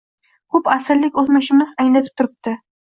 Koʻp asrlik oʻtmishimiz anglatib turibdi